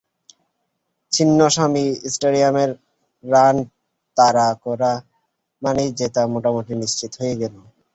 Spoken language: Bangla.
চিন্নাস্বামী স্টেডিয়ামে রান তাড়া করা মানেই জেতা মোটামুটি নিশ্চিত হয়ে গেল।